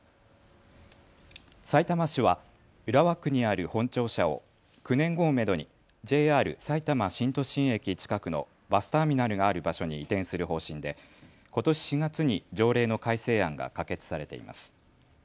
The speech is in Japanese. さいたま市は浦和区にある本庁舎を９年後をめどにＪＲさいたま新都心駅近くのバスターミナルがある場所に移転する方針でことし４月に条例の改正案が可決されています。